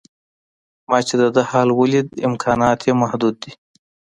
ما چې د ده حال ولید امکانات یې محدود دي.